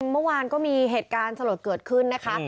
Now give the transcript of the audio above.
เมื่อวานก็มีเหตุการณ์สลดเกิดขึ้นนะคะ